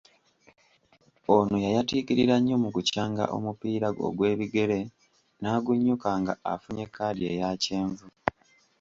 Ono yayatiikirira nnyo mu kukyanga omupiira ogw’ebigere n’agunnyuka nga afunye kkaadi eya kyenvu.